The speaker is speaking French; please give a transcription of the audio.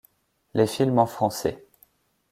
Les films en français.